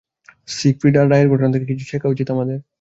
Siegfried আর রয়ের ঘটনা থেকে কিছু শেখা উচিৎ আমাদের।